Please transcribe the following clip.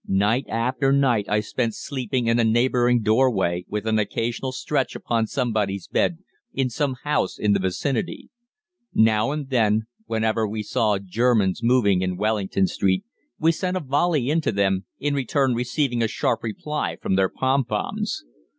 Night after night I spent sleeping in a neighbouring doorway, with an occasional stretch upon somebody's bed in some house in the vicinity. Now and then, whenever we saw Germans moving in Wellington Street, we sent a volley into them, in return receiving a sharp reply from their pom poms.